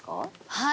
はい。